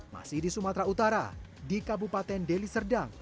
masih di sumatera utara di kabupaten deli serdang